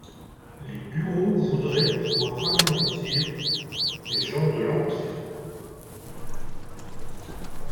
Les bureaux voudraient pouvoir anéantir les gens de l’Empire.